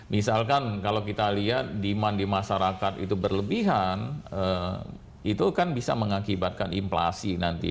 misalkan kalau kita lihat demand di masyarakat itu berlebihan itu kan bisa mengakibatkan inflasi nanti